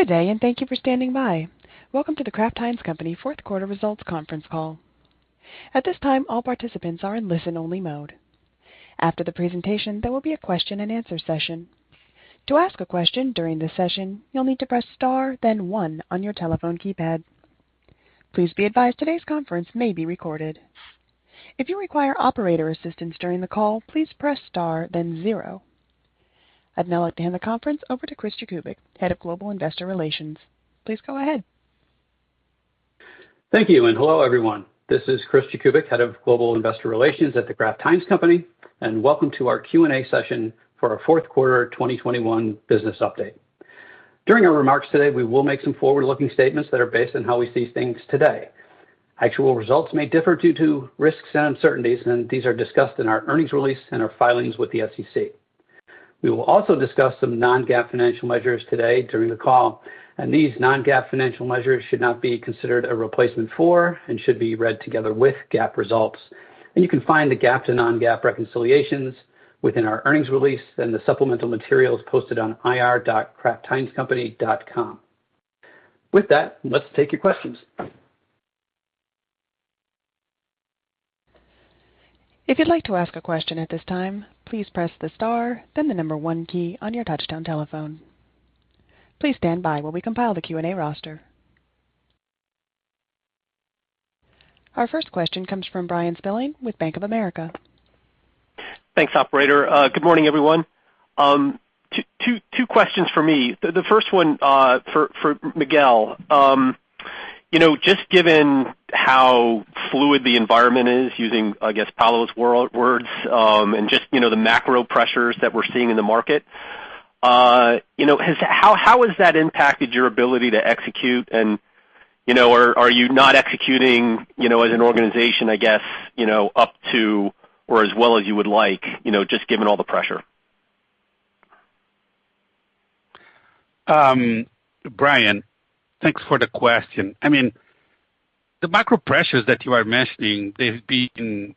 Good day, and thank you for standing by. Welcome to The Kraft Heinz Company Q4 results conference call. At this time, all participants are in listen-only mode. After the presentation, there will be a question-and-answer session. To ask a question during the session, you'll need to press star, then 1 on your telephone keypad. Please be advised today's conference may be recorded. If you require operator assistance during the call, please press star, then 0. I'd now like to hand the conference over to Chris Jakubik, Head of Global Investor Relations. Please go ahead. Thank you, and hello everyone. This is Chris Jakubik, Head of Global Investor Relations at The Kraft Heinz Company, and welcome to our Q&A session for our Q4 2021 business update. During our remarks today, we will make some forward-looking statements that are based on how we see things today. Actual results may differ due to risks and uncertainties, and these are discussed in our earnings release and our filings with the SEC. We will also discuss some non-GAAP financial measures today during the call, and these non-GAAP financial measures should not be considered a replacement for and should be read together with GAAP results. You can find the GAAP to non-GAAP reconciliations within our earnings release and the supplemental materials posted on ir.kraftheinzcompany.com. With that, let's take your questions. If you'd like to ask a question at this time, please press the star, then the number one key on your touch-tone telephone. Please stand by while we compile the Q&A roster. Our first question comes from Bryan Spillane with Bank of America. Thanks, operator. Good morning, everyone. Two questions for me. The first one for Miguel. Just given how fluid the environment is, using, I guess, Paulo's words, and just the macro pressures that we're seeing in the market, how has that impacted your ability to execute, and are you not executing as an organization, I guess, up to or as well as you would like, just given all the pressure? Bryan, thanks for the question. I mean, the macro pressures that you are mentioning, they've been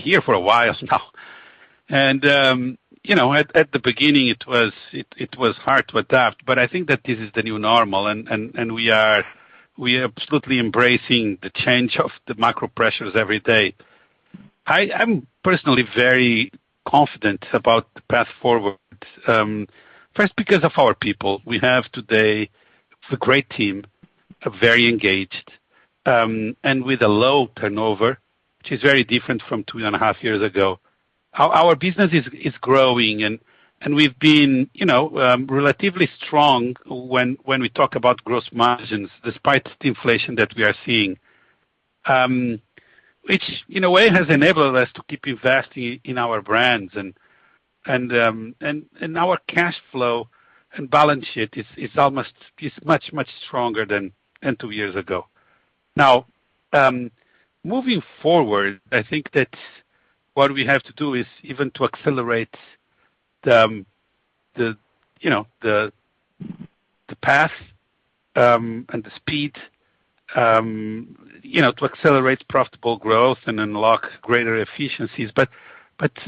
here for a while now. At the beginning, it was hard to adapt, but I think that this is the new normal, and we are absolutely embracing the change of the macro pressures every day. I'm personally very confident about the path forward, first because of our people. We have today a great team, very engaged, and with a low turnover, which is very different from two and a half years ago. Our business is growing, and we've been relatively strong when we talk about gross margins, despite the inflation that we are seeing, which, in a way, has enabled us to keep investing in our brands, and our cash flow and balance sheet is much, much stronger than two years ago. Now, moving forward, I think that what we have to do is even to accelerate the path and the speed, to accelerate profitable growth and unlock greater efficiencies.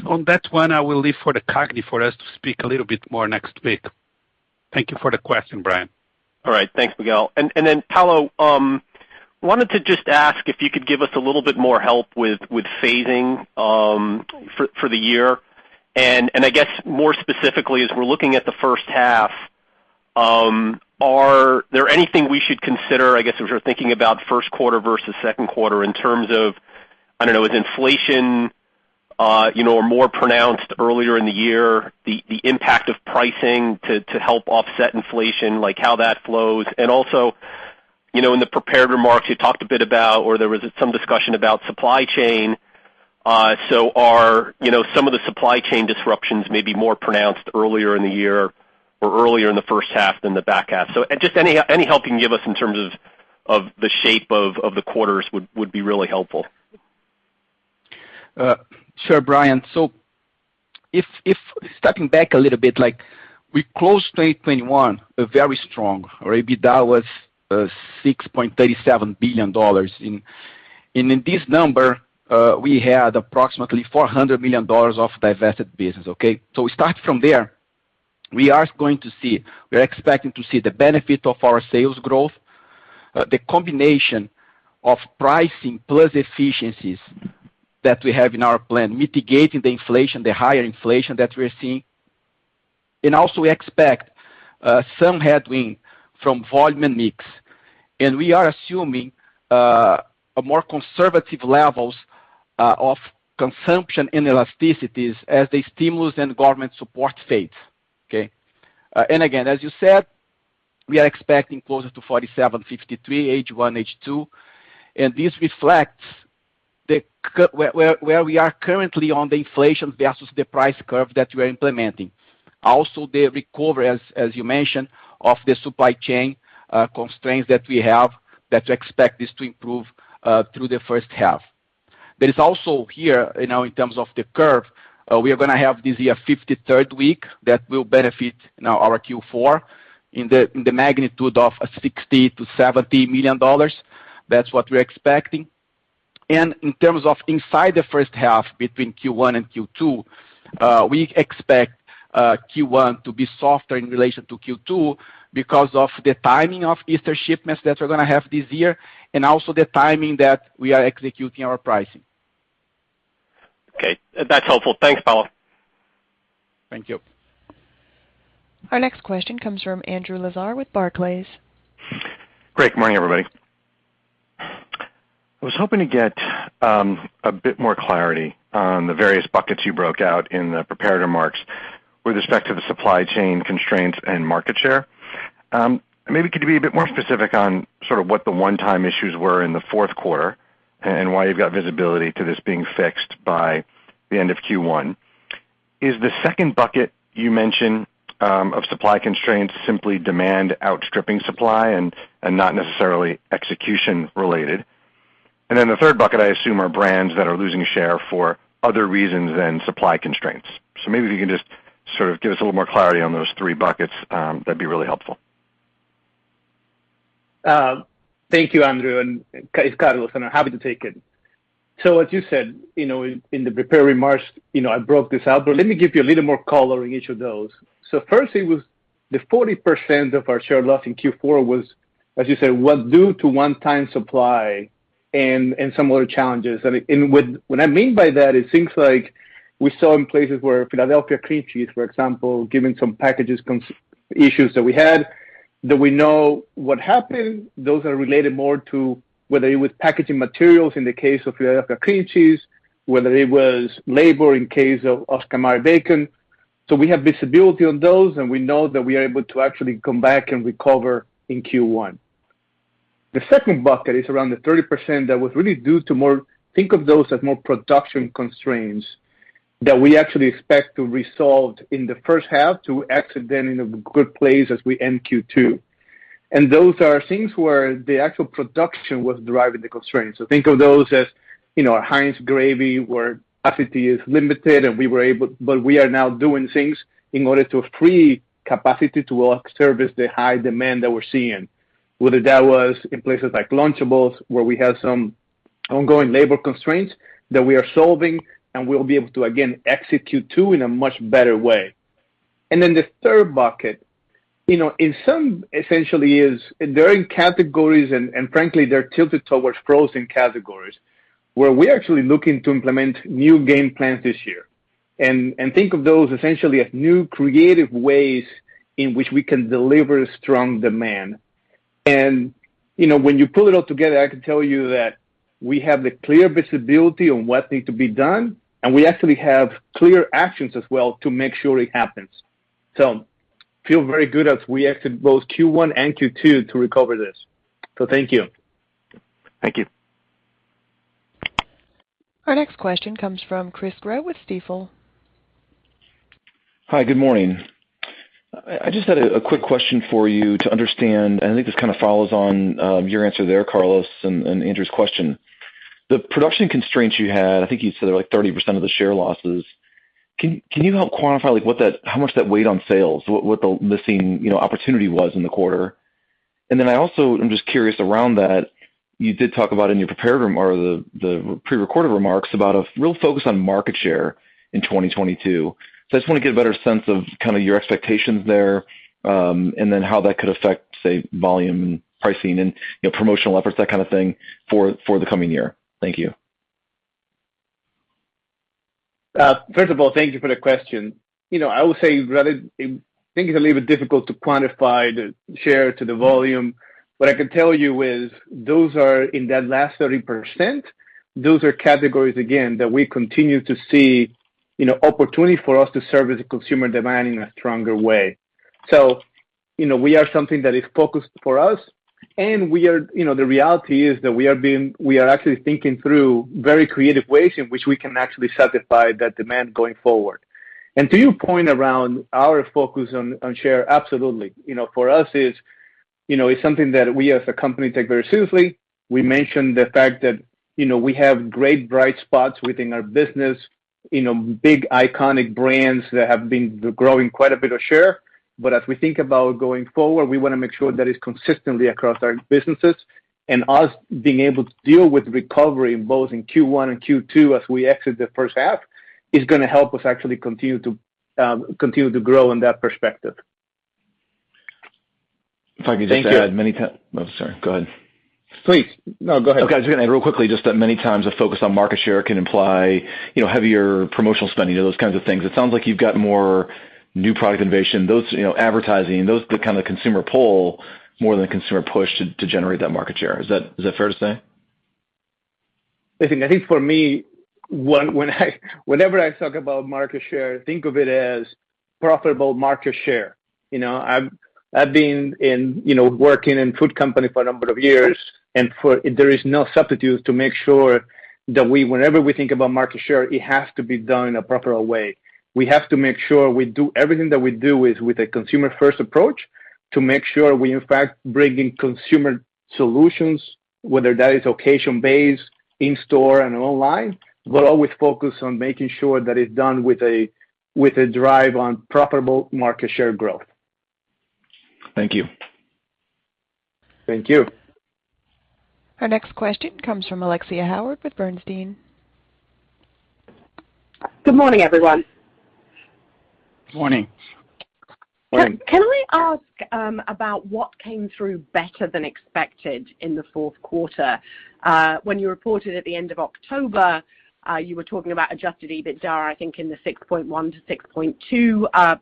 On that one, I will leave for the CAGNY for us to speak a little bit more next week. Thank you for the question, Bryan. All right. Thanks, Miguel. Then, Paulo, wanted to just ask if you could give us a little bit more help with phasing for the year. I guess, more specifically, as we're looking at the first half, is there anything we should consider, I guess, as we're thinking about first quarter versus second quarter, in terms of, I don't know, is inflation more pronounced earlier in the year, the impact of pricing to help offset inflation, how that flows? Also, in the prepared remarks, you talked a bit about, or there was some discussion about supply chain. Are some of the supply chain disruptions maybe more pronounced earlier in the year or earlier in the first half than the back half? Just any help you can give us in terms of the shape of the quarters would be really helpful. Sure, Bryan. If stepping back a little bit, we closed 2021 very strong. Our EBITDA was $6.37 billion. In this number, we had approximately $400 million of divested business, okay? Starting from there, we are expecting to see the benefit of our sales growth, the combination of pricing plus efficiencies that we have in our plan, mitigating the inflation, the higher inflation that we are seeing. Also, we expect some headwind from volume and mix. We are assuming more conservative levels of consumption and elasticities as the stimulus and government support fades, okay? Again, as you said, we are expecting closer to 47%-53% H1-H2. This reflects where we are currently on the inflation versus the price curve that we are implementing. Also, the recovery, as you mentioned, of the supply chain constraints that we have, that we expect this to improve through the first half. There is also here, in terms of the curve, we are going to have this year 53rd week that will benefit our Q4 in the magnitude of $60 million-$70 million. That's what we're expecting. In terms of inside the first half between Q1 and Q2, we expect Q1 to be softer in relation to Q2 because of the timing of Easter shipments that we're going to have this year and also the timing that we are executing our pricing. Okay. That's helpful. Thanks, Paulo. Thank you. Our next question comes from Andrew Lazar with Barclays. Great. Good morning, everybody. I was hoping to get a bit more clarity on the various buckets you broke out in the prepared remarks with respect to the supply chain constraints and market share. Maybe could you be a bit more specific on sort of what the one-time issues were in the fourth quarter and why you've got visibility to this being fixed by the end of Q1? Is the second bucket you mentioned of supply constraints simply demand outstripping supply and not necessarily execution-related? The third bucket, I assume, are brands that are losing share for other reasons than supply constraints. Maybe if you can just sort of give us a little more clarity on those three buckets, that'd be really helpful. Thank you, Andrew. It's Carlos. I'm happy to take it. As you said, in the prepared remarks, I broke this out, but let me give you a little more color in each of those. First, it was the 40% of our share loss in Q4 was, as you said, due to one-time supply and some other challenges. What I mean by that is things like we saw in places where Philadelphia Cream Cheese, for example, given some packaging issues that we had, that we know what happened. Those are related more to whether it was packaging materials in the case of Philadelphia Cream Cheese, whether it was labor in case of Oscar Mayer bacon. We have visibility on those, and we know that we are able to actually come back and recover in Q1. The second bucket is around the 30% that was really due to, think of those as more production constraints that we actually expect to resolve in the first half to exit then in a good place as we end Q2. Those are things where the actual production was driving the constraints. Think of those as Heinz Gravy where capacity is limited, and we are now doing things in order to free capacity to service the high demand that we're seeing, whether that was in places like Lunchables where we have some ongoing labor constraints that we are solving, and we'll be able to, again, exit Q2 in a much better way. The third bucket essentially is in categories, and frankly, they're tilted towards frozen categories, where we're actually looking to implement new game plans this year. Think of those essentially as new creative ways in which we can deliver strong demand. When you pull it all together, I can tell you that we have the clear visibility on what needs to be done, and we actually have clear actions as well to make sure it happens. We feel very good as we exit both Q1 and Q2 to recover this. Thank you. Thank you. Our next question comes from Chris Growe with Stifel. Hi. Good morning. I just had a quick question for you to understand. I think this kind of follows on your answer there, Carlos, and Andrew's question. The production constraints you had, I think you said there were like 30% of the share losses. Can you help quantify how much that weighed on sales, what the missing opportunity was in the quarter? Then I also am just curious around that, you did talk about in your prepared remarks about a real focus on market share in 2022. I just want to get a better sense of kind of your expectations there and then how that could affect, say, volume and pricing and promotional efforts, that kind of thing, for the coming year. Thank you. First of all, thank you for the question. I would say rather I think it's a little bit difficult to quantify the share to the volume. What I can tell you is those are in that last 30%, those are categories, again, that we continue to see opportunity for us to service the consumer demand in a stronger way. We are something that is focused for us, and the reality is that we are actually thinking through very creative ways in which we can actually satisfy that demand going forward. To your point around our focus on share, absolutely. For us, it's something that we as a company take very seriously. We mentioned the fact that we have great bright spots within our business, big iconic brands that have been growing quite a bit of share. As we think about going forward, we want to make sure that it's consistently across our businesses. Us being able to deal with recovery both in Q1 and Q2 as we exit the first half is going to help us actually continue to grow in that perspective. If I could just add many times, oh, sorry. Go ahead. Please. No, go ahead. Okay. I was just going to add real quickly just that many times a focus on market share can imply heavier promotional spending or those kinds of things. It sounds like you've got more new product innovation, advertising, the kind of consumer pull more than consumer push to generate that market share. Is that fair to say? I think for me, whenever I talk about market share, think of it as profitable market share. I've been working in food company for a number of years, and there is no substitute to make sure that whenever we think about market share, it has to be done in a profitable way. We have to make sure we do everything that we do is with a consumer-first approach to make sure we, in fact, bring in consumer solutions, whether that is occasion-based, in-store, and online, but always focus on making sure that it's done with a drive on profitable market share growth. Thank you. Thank you. Our next question comes from Alexia Howard with Bernstein. Good morning, everyone. Good morning. Morning. Can I ask about what came through better than expected in the fourth quarter? When you reported at the end of October, you were talking about adjusted EBITDA, I think, in the $6.1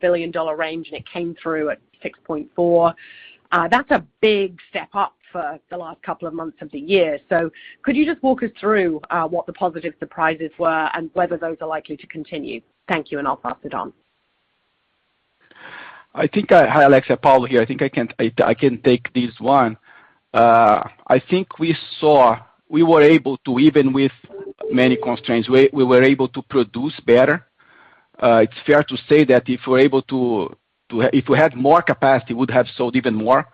billion-$6.2 billion range, and it came through at $6.4 billion. That's a big step up for the last couple of months of the year. So could you just walk us through what the positive surprises were and whether those are likely to continue? Thank you, and I'll pass it on. Hi, Alexia. Paulo here. I think I can take this one. I think we saw we were able to, even with many constraints, we were able to produce better. It's fair to say that if we had more capacity, we would have sold even more.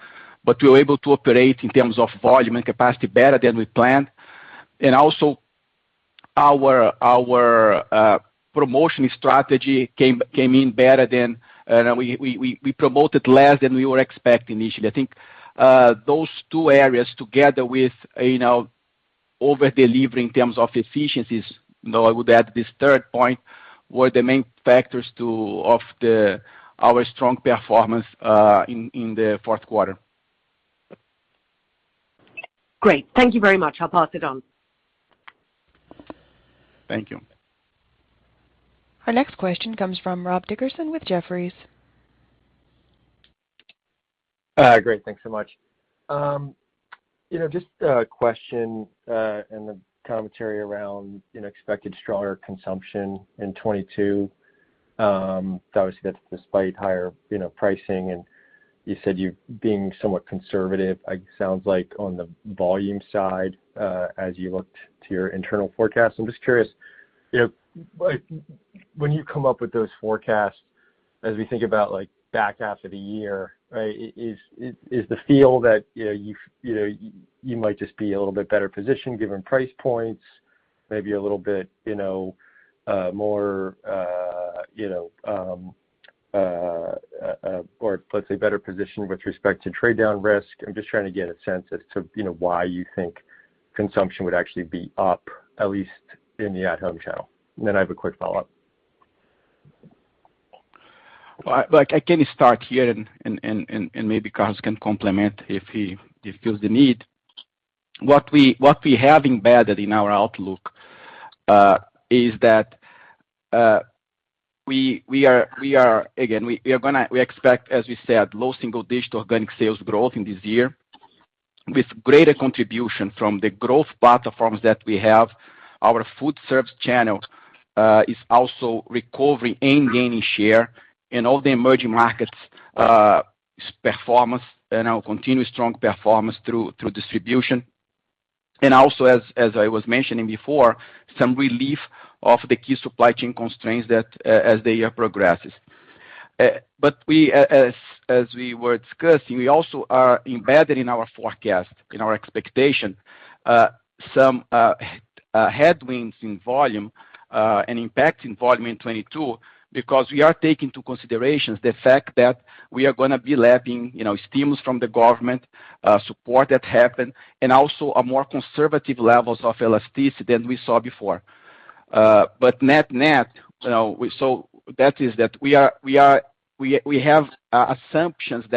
We were able to operate in terms of volume and capacity better than we planned. Also, our promotion strategy came in better than, and we promoted less than we were expecting initially. I think those two areas, together with overdelivery in terms of efficiencies, no, I would add this third point, were the main factors of our strong performance in the fourth quarter. Great. Thank you very much. I'll pass it on. Thank you. Our next question comes from Rob Dickerson with Jefferies. Great. Thanks so much. Just a question and a commentary around expected stronger consumption in 2022. Obviously, that's despite higher pricing. You said you're being somewhat conservative, it sounds like, on the volume side as you looked to your internal forecasts. I'm just curious, when you come up with those forecasts, as we think about back half of the year, right, is the feel that you might just be a little bit better positioned given price points, maybe a little bit more or, let's say, better positioned with respect to trade-down risk? I'm just trying to get a sense as to why you think consumption would actually be up, at least in the at-home channel. I have a quick follow-up. Well, I can start here, and maybe Carlos can complement if he feels the need. What we have embedded in our outlook is that we are again, we expect, as we said, low single-digit organic sales growth in this year with greater contribution from the growth platforms that we have. Our food service channel is also recovering and gaining share in all the emerging markets' performance and our continued strong performance through distribution. Also, as I was mentioning before, some relief of the key supply chain constraints as the year progresses. As we were discussing, we also are embedded in our forecast, in our expectation, some headwinds in volume and impacts in volume in 2022 because we are taking into consideration the fact that we are going to be lapping stimulus from the government, support that happened, and also more conservative levels of elasticity than we saw before. Net-net, that we have assumptions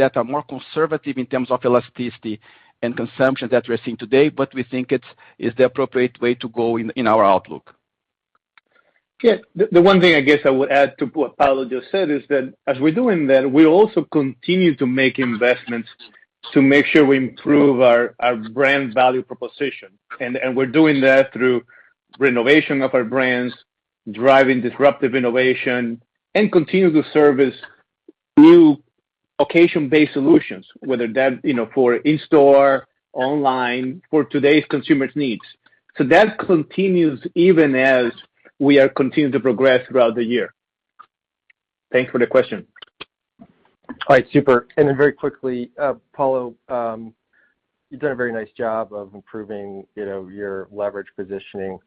that are more conservative in terms of elasticity and consumption that we're seeing today, but we think it's the appropriate way to go in our outlook. Yeah. The one thing, I guess, I would add to what Paulo just said is that as we're doing that, we also continue to make investments to make sure we improve our brand value proposition. We're doing that through renovation of our brands, driving disruptive innovation, and continue to service new occasion-based solutions, whether that's for in-store, online, for today's consumer's needs. That continues even as we are continuing to progress throughout the year. Thanks for the question. All right. Super. Very quickly, Paulo, you've done a very nice job of improving your leverage position at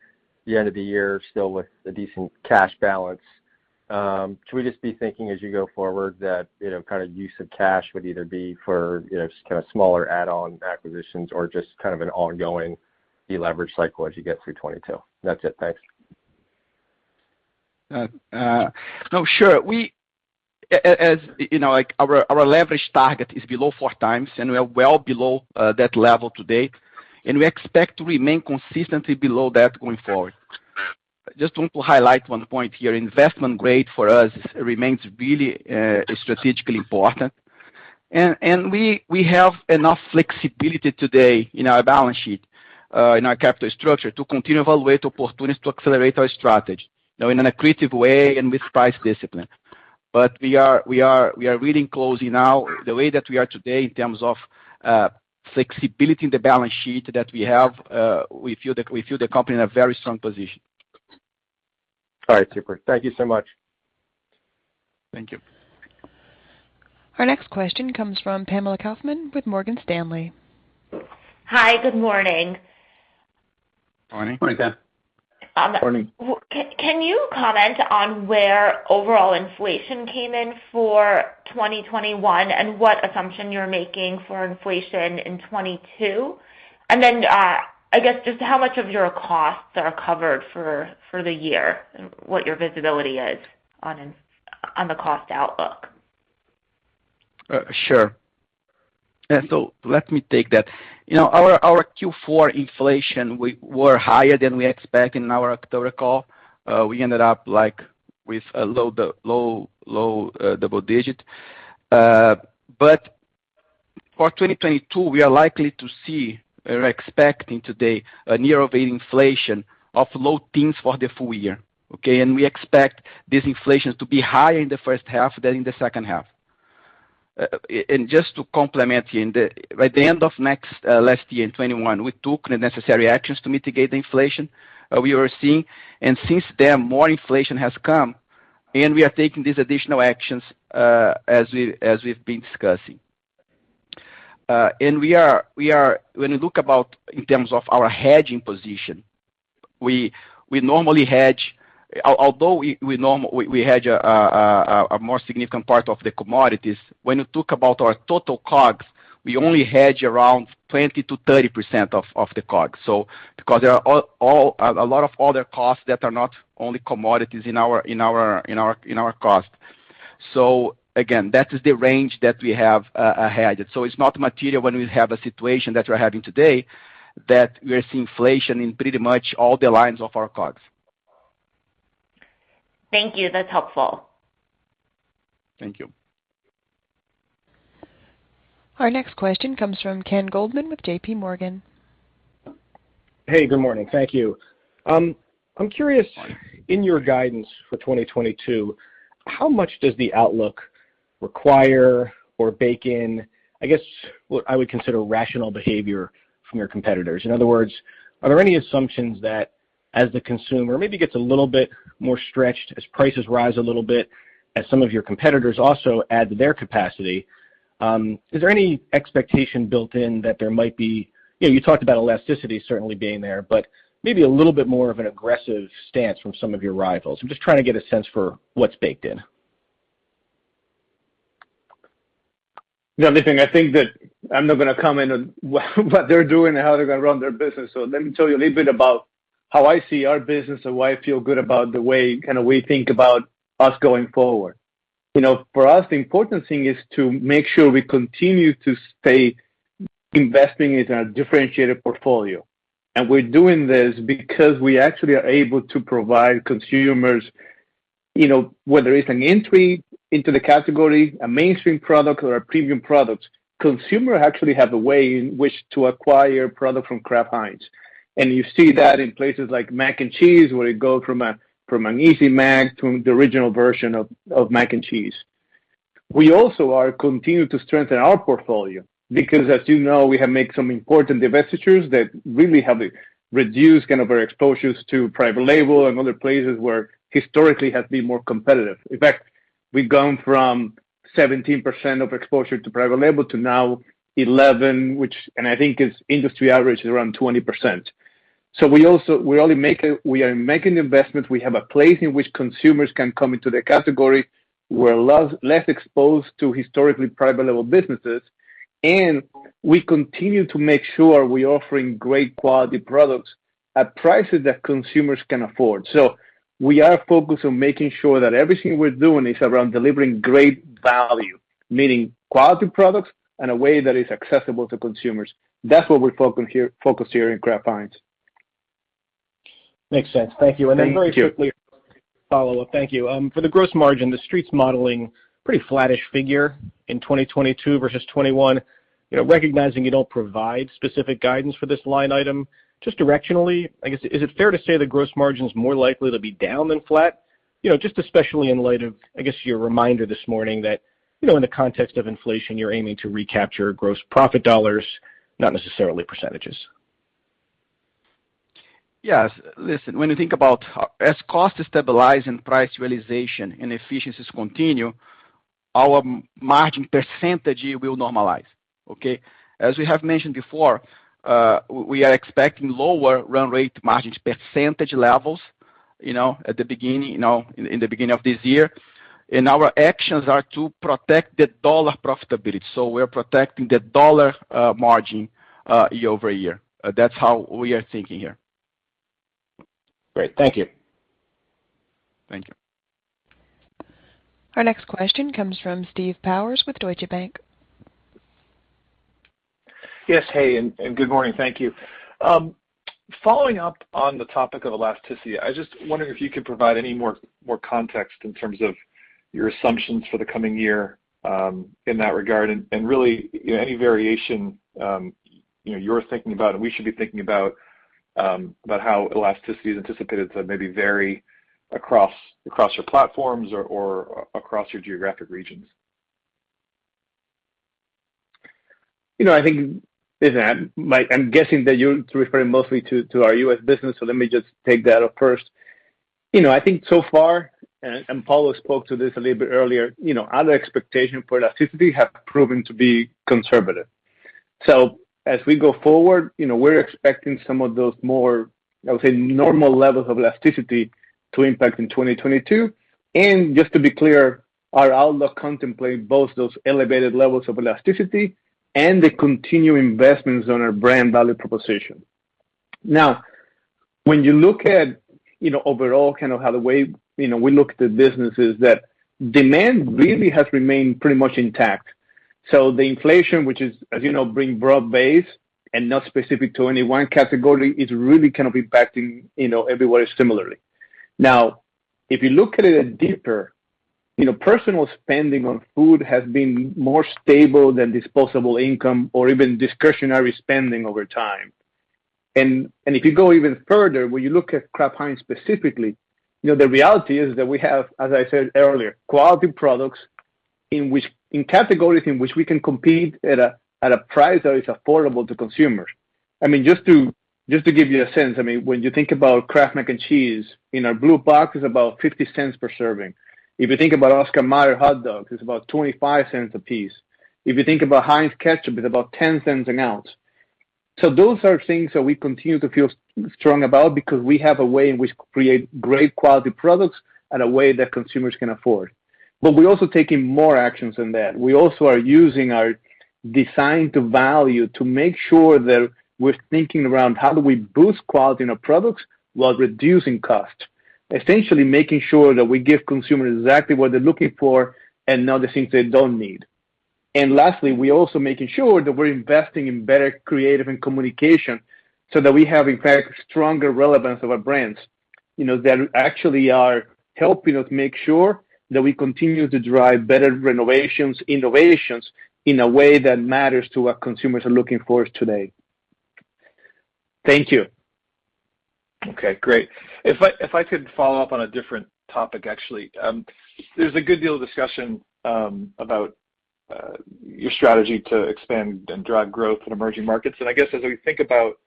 the end of the year, still with a decent cash balance. Should we just be thinking, as you go forward, that kind of use of cash would either be for kind of smaller add-on acquisitions or just kind of an ongoing deleveraging cycle as you get through 2022? That's it. Thanks. No, sure. Our leverage target is below 4x, and we are well below that level today. We expect to remain consistently below that going forward. I just want to highlight one point here. Investment grade for us remains really strategically important. We have enough flexibility today in our balance sheet, in our capital structure, to continue to evaluate opportunities to accelerate our strategy in an accretive way and with price discipline. We are really close now. The way that we are today in terms of flexibility in the balance sheet that we have, we feel the company is in a very strong position. All right. Super. Thank you so much. Thank you. Our next question comes from Pamela Kaufman with Morgan Stanley. Hi. Good morning. Morning. Morning, Pam. Morning. Can you comment on where overall inflation came in for 2021 and what assumption you're making for inflation in 2022? I guess, just how much of your costs are covered for the year and what your visibility is on the cost outlook? Sure. Let me take that. Our Q4 inflation, we were higher than we expected in our October call. We ended up with a low double-digit. For 2022, we are likely to see or expecting today a year of inflation of low teens for the full year, okay? We expect this inflation to be higher in the first half than in the second half. Just to complement here, by the end of last year, in 2021, we took the necessary actions to mitigate the inflation we were seeing. Since then, more inflation has come, and we are taking these additional actions as we've been discussing. When we look about in terms of our hedging position, we normally hedge although we hedge a more significant part of the commodities, when you talk about our total COGS, we only hedge around 20%-30% of the COGS because there are a lot of other costs that are not only commodities in our cost. Again, that is the range that we have hedged. It's not material when we have a situation that we're having today that we are seeing inflation in pretty much all the lines of our COGS. Thank you. That's helpful. Thank you. Our next question comes from Ken Goldman with JPMorgan. Hey. Good morning. Thank you. I'm curious, in your guidance for 2022, how much does the outlook require or bake in, I guess, what I would consider rational behavior from your competitors? In other words, are there any assumptions that as the consumer maybe gets a little bit more stretched, as prices rise a little bit, as some of your competitors also add to their capacity, is there any expectation built-in that there might be. You talked about elasticity certainly being there, but maybe a little bit more of an aggressive stance from some of your rivals? I'm just trying to get a sense for what's baked in. The other thing, I think that I'm not going to comment on what they're doing and how they're going to run their business. Let me tell you a little bit about how I see our business and why I feel good about the way kind of we think about us going forward. For us, the important thing is to make sure we continue to stay investing in our differentiated portfolio. We're doing this because we actually are able to provide consumers, whether it's an entry into the category, a mainstream product, or a premium product, consumers actually have a way in which to acquire products from Kraft Heinz. You see that in places like Mac and Cheese where it goes from an Easy Mac to the original version of Mac and Cheese. We also are continuing to strengthen our portfolio because, as you know, we have made some important divestitures that really have reduced kind of our exposures to private label and other places where historically has been more competitive. In fact, we've gone from 17% of exposure to private label to now 11%, which I think is industry average is around 20%. We are making investments. We have a place in which consumers can come into the category. We're less exposed to historically private label businesses. We continue to make sure we're offering great quality products at prices that consumers can afford. We are focused on making sure that everything we're doing is around delivering great value, meaning quality products in a way that is accessible to consumers. That's what we're focused here in Kraft Heinz. Makes sense. Thank you. Very quickly, follow-up. Thank you. For the gross margin, the Street's modeling, pretty flat-ish figure in 2022 versus 2021, recognizing you don't provide specific guidance for this line item, just directionally, I guess, is it fair to say the gross margin's more likely to be down than flat, just especially in light of, I guess, your reminder this morning that in the context of inflation, you're aiming to recapture gross profit dollars, not necessarily percentages? Yes. Listen, when you think about as costs stabilize and price realization and efficiencies continue, our margin percentage will normalize, okay? As we have mentioned before, we are expecting lower run rate margin percentage levels at the beginning of this year. Our actions are to protect the dollar profitability. We are protecting the dollar margin year-over-year. That's how we are thinking here. Great. Thank you. Thank you. Our next question comes from Steve Powers with Deutsche Bank. Yes. Hey. Good morning. Thank you. Following up on the topic of elasticity, I was just wondering if you could provide any more context in terms of your assumptions for the coming year in that regard and really any variation you're thinking about and we should be thinking about how elasticity is anticipated to maybe vary across your platforms or across your geographic regions? I think that I'm guessing that you're referring mostly to our U.S. business. Let me just take that out first. I think so far and Paulo spoke to this a little bit earlier, our expectation for elasticity has proven to be conservative. As we go forward, we're expecting some of those more, I would say, normal levels of elasticity to impact in 2022. Just to be clear, our outlook contemplates both those elevated levels of elasticity and the continued investments on our brand value proposition. Now, when you look at overall kind of how the way we look at the business is that demand really has remained pretty much intact. The inflation, which is, as you know, being broad-based and not specific to any one category, is really kind of impacting everywhere similarly. Now, if you look at it deeper, personal spending on food has been more stable than disposable income or even discretionary spending over time. If you go even further, when you look at Kraft Heinz specifically, the reality is that we have, as I said earlier, quality products in categories in which we can compete at a price that is affordable to consumers. I mean, just to give you a sense, I mean, when you think about Kraft Mac & Cheese, in our blue box, it's about $0.50 per serving. If you think about Oscar Mayer hot dogs, it's about $0.25 a piece. If you think about Heinz Ketchup, it's about $0.10 an ounce. Those are things that we continue to feel strong about because we have a way in which we create great quality products at a way that consumers can afford. We're also taking more actions than that. We also are using our design-to-value to make sure that we're thinking around how do we boost quality in our products while reducing costs, essentially making sure that we give consumers exactly what they're looking for and not the things they don't need. Lastly, we're also making sure that we're investing in better creative and communication so that we have, in fact, stronger relevance of our brands that actually are helping us make sure that we continue to drive better renovations, innovations in a way that matters to what consumers are looking for today. Thank you. Okay. Great. If I could follow up on a different topic, actually, there's a good deal of discussion about your strategy to expand and drive growth in emerging markets. I guess as we think about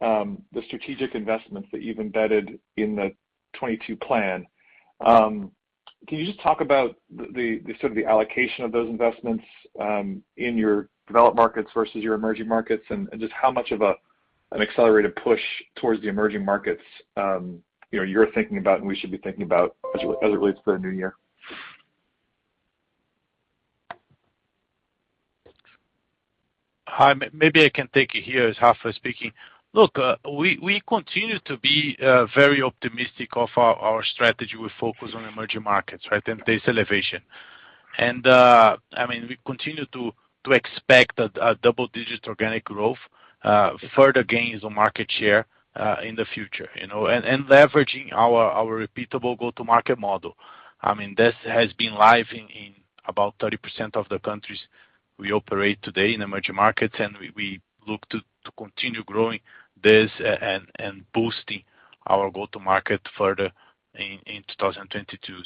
the strategic investments that you've embedded in the 2022 plan, can you just talk about sort of the allocation of those investments in your developed markets versus your emerging markets and just how much of an accelerated push towards the emerging markets you're thinking about and we should be thinking about as it relates to the new year? Hi. Maybe I can take it here as Rafael speaking. Look, we continue to be very optimistic of our strategy with focus on emerging markets, right, and taste elevation. I mean, we continue to expect a double-digit organic growth, further gains on market share in the future, and leveraging our repeatable go-to-market model. I mean, this has been live in about 30% of the countries we operate today in emerging markets. We look to continue growing this and boosting our go-to-market further in 2022.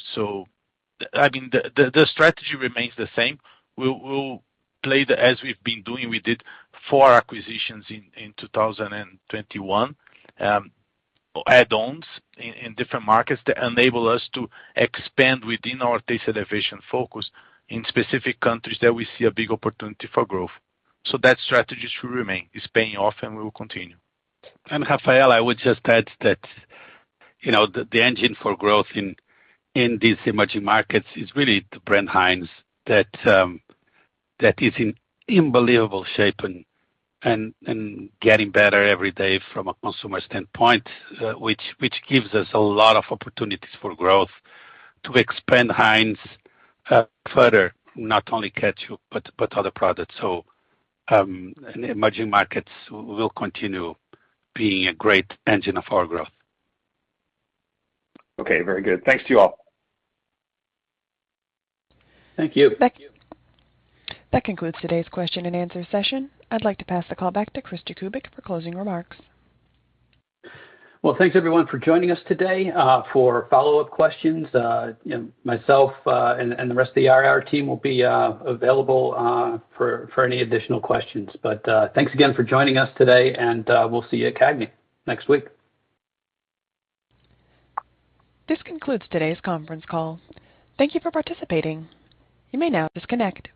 I mean, the strategy remains the same. We'll play it as we've been doing. We did four acquisitions in 2021, add-ons in different markets that enable us to expand within our taste elevation focus in specific countries that we see a big opportunity for growth. That strategy should remain. It's paying off, and we will continue. Rafael, I would just add that the engine for growth in these emerging markets is really the brand Heinz that is in unbelievable shape and getting better every day from a consumer standpoint, which gives us a lot of opportunities for growth to expand Heinz further, not only ketchup but other products. Emerging markets will continue being a great engine of our growth. Okay. Very good. Thanks to you all. Thank you. Thank you. That concludes today's question-and-answer session. I'd like to pass the call back to Chris Jakubik for closing remarks. Well, thanks, everyone, for joining us today for follow-up questions. Myself and the rest of the IR team will be available for any additional questions. Thanks again for joining us today, and we'll see you at CAGNY next week. This concludes today's conference call. Thank you for participating. You may now disconnect.